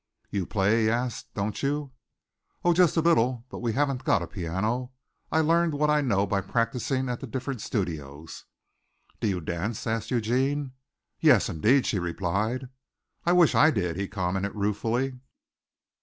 "You play?" he asked, "don't you?" "Oh, just a little. But we haven't got a piano. I learned what I know by practising at the different studios." "Do you dance?" asked Eugene. "Yes, indeed," she replied. "I wish I did," he commented ruefully.